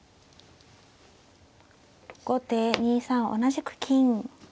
後手２三同じく金。